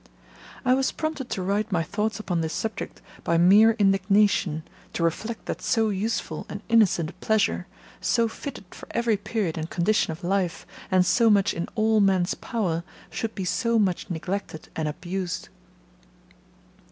I was prompted to write my thoughts upon this subject by mere indignation, to reflect that so useful and innocent a pleasure, so fitted for every period and condition of life, and so much in all men's power, should be so much neglected and abused.